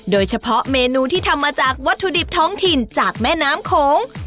โดยเฉพาะเมนูที่ทำมาจากวัตถุดิบท้องถิ่นจากแม่น้ำโขง